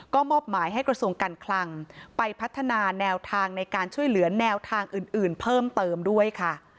ก็มอบหมายให้กระทรวงการคลังไปพัฒนาแนวทางในการช่วยเหลือแนวทางอื่นเพิ่มเติมด้วยค่ะ